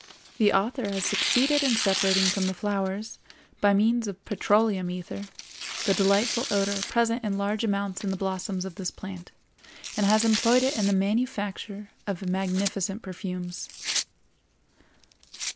The author has succeeded in separating from the flowers, by means of petroleum ether, the delightful odor present in large amount in the blossoms of this plant, and has employed it in the manufacture of magnificent perfumes.